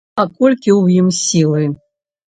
А колькі ў ім сілы!